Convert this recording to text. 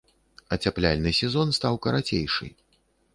Ацяпляльны сезон стаў карацейшы.